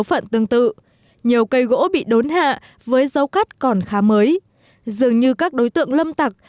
phận tương tự nhiều cây gỗ bị đốn hạ với dấu cắt còn khá mới dường như các đối tượng lâm tặc